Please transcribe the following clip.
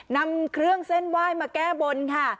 นำเครื่องเส้นไหว้มาแก้บนค่ะ